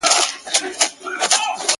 له هري غیږي له هر یاره سره لوبي کوي-